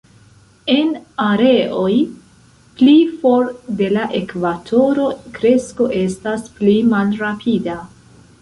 En areoj pli for de la ekvatoro kresko estas pli malrapida.